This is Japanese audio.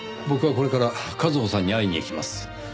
僕はこれからＫＡＺＨＯさんに会いに行きます。